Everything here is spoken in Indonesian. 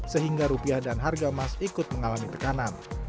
sehingga rupiah dan harga emas ikut mengalami tekanan